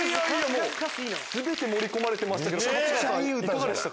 全て盛り込まれてました。